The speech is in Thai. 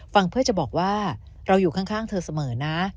ฟังเพื่อจะบอกว่าเราอยู่ข้างเธอเสมอนะ